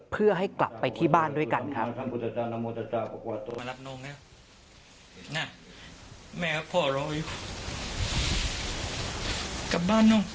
เพื่อให้กลับไปที่บ้านด้วยกันครับ